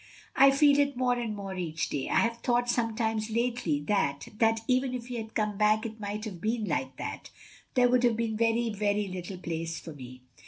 I feel it more and more each day. I have thought sometimes lately that — ^that even if he had come back it might have been like that. There would have been very veiy little place for me.